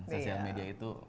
sosial media itu